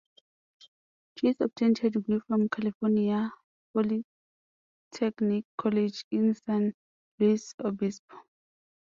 Chase obtained her degree from California Polytechnic College in San Luis Obispo.